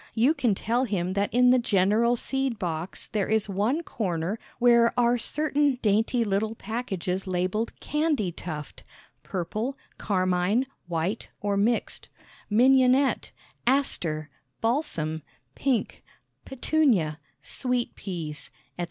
You can tell him that in the general seed box there is one corner where are certain dainty little packages labeled Candytuft purple, carmine, white or mixed; Mignonnette, Aster, Balsam, Pink, Petunia, Sweet Peas, etc.